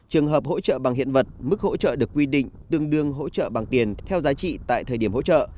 trường hợp hỗ trợ bằng hiện vật mức hỗ trợ được quy định tương đương hỗ trợ bằng tiền theo giá trị tại thời điểm hỗ trợ